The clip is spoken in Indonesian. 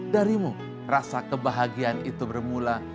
darimu rasa kebahagiaan itu bermula